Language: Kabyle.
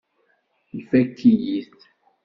Ifakk-iyi-t.